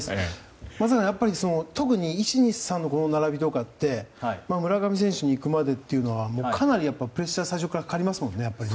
松坂さん、特にこの１、２、３の並びとかって村上選手に行くまでというのはかなりプレッシャーが最初から、かかりますもんね。